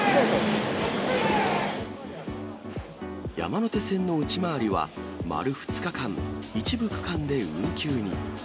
山手線の内回りは、丸２日間、一部区間で運休に。